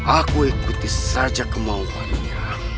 aku ikuti saja kemauannya